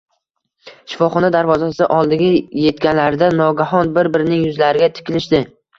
Shifoxona darvozasi oldiga etganlarida nogahon bir-birining yuzlariga tikilishdi